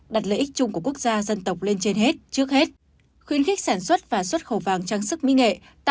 đặt lợi ích chung của quốc gia dân tộc lên trên hết trước hết